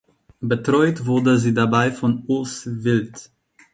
Betreut wurde sie dabei von Urs Wild.